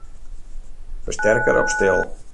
Fersterker op stil.